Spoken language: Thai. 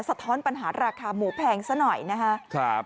ท้อนปัญหาราคาหมูแพงซะหน่อยนะครับ